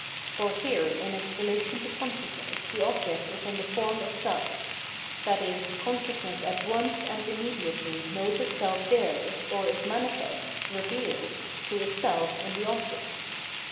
For here in its relation to consciousness the object is in the form of self ; i.e. consciousness at once and immediately knows, itself there, or is manifest, revealed, to itself in the object.